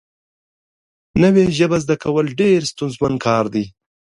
نوې ژبه زده کول ډېر ستونزمن کار دی